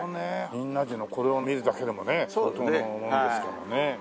仁和寺のこれを見るだけでもね相当なものですからね。